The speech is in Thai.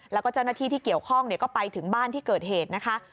แล้วก็เจ้าหน้าที่ที่เกี่ยวข้องก็ไปถึงบ้านที่เกิดเหตุนะคะ